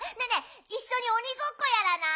いっしょにおにごっこやらない？